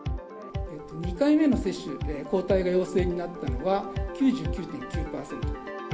２回目の接種で抗体が陽性になったのは、９９．９％。